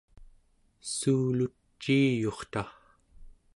suuluciiyurta